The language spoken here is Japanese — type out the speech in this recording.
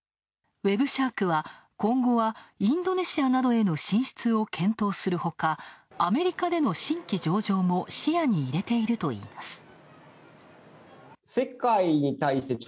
ウェブシャークは今後はインドネシアなどへの進出を検討するほか、アメリカでの新規上場も視野に入れているといいます。